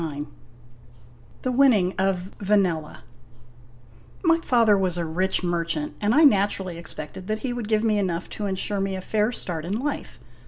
M THE WINNING OF VANELLA Y father was a rich merchant, and I naturally expected that he would give me enough to insure me a fair start in life.